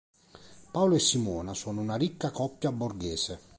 Paolo e Simona sono una ricca coppia borghese.